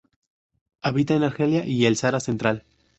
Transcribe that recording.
Habita en Argelia y el Sahara Central.